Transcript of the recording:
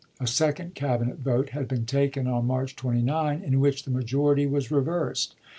A second Cabinet vote had been taken, on March 29, in which the majority was reversed.